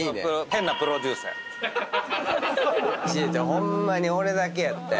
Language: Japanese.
ホンマに俺だけやって。